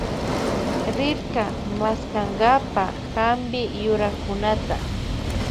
Rirka maskankapa hampi yurakunata.